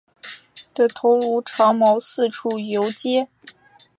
克伦威尔的头颅被挑在长矛上四处游街。